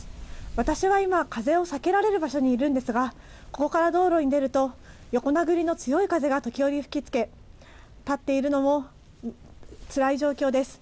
私は今、風を避けられる場所にいるんですが、ここから道路に出ると横殴りの強い風が時折、吹きつけ立っているのもつらい状況です。